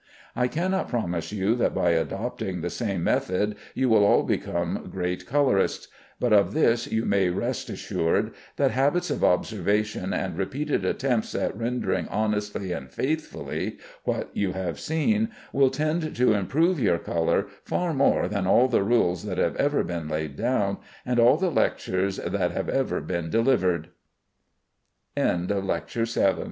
I cannot promise you that by adopting the same method you will all become great colorists; but of this you may rest assured, that habits of observation and repeated attempts at rendering honestly and faithfully what you have seen, will tend to improve your color far more than all the rules that have ever been laid down, and all the lectures that have ever been delivered. LECTURE VIII.